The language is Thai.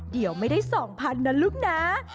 เดี๋ยวไม่ได้สองพันนะลุกน้า